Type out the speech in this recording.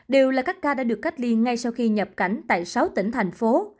đều là các ca đã được cách ly ngay sau khi nhập cảnh tại sáu tỉnh thành phố